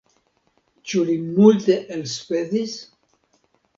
Ĉu li multe elspezis?